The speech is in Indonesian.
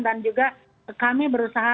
dan juga kami berusaha